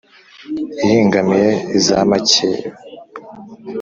Ihingamiye iz’amakeba,